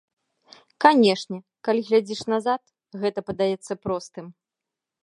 Канешне, калі глядзіш назад, гэта падаецца простым.